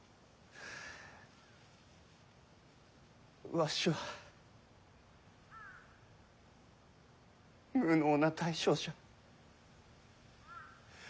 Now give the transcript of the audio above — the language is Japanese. わしは無能な大将じゃ。